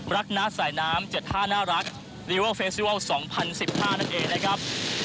รักน้าสายน้ำ๗๕น่ารักลิเวอร์เฟสติวัล๒๐๑๕นั่นเองนะครับ